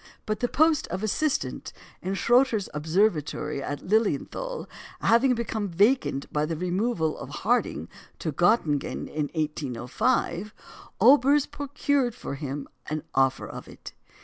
But the post of assistant in Schröter's observatory at Lilienthal having become vacant by the removal of Harding to Göttingen in 1805, Olbers procured for him the offer of it.